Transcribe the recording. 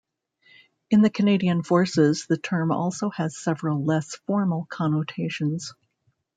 In the Canadian Forces the term also has several less formal connotations.